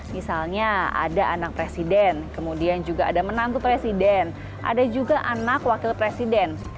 misalnya ada anak presiden kemudian juga ada menantu presiden ada juga anak wakil presiden